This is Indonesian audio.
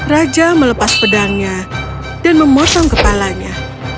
raja melepas pedangnya dan memotong kepalanya